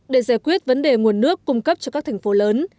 để giải quyết vấn đề nguồn nước cung cấp cho các thành phố lớn